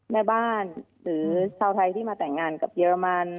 แม่บ้านหรือชาวไทยที่มาแต่งงานกับเยอรมัน